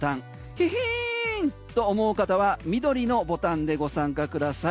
ヒヒーンと思う方は緑のボタンでご参加ください。